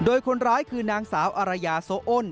โดยคนร้ายคือนางสาวอารยาโซอ้น